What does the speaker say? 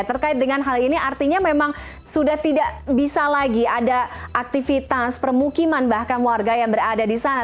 terkait dengan hal ini artinya memang sudah tidak bisa lagi ada aktivitas permukiman bahkan warga yang berada di sana